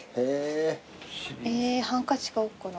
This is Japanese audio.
ハンカチ買おうかな。